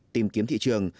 tìm kiếm thị trường